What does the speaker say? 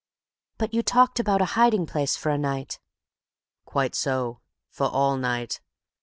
"But you talked about a hiding place for a night?" "Quite so—for all night.